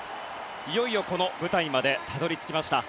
いよいよこの舞台までたどり着きました。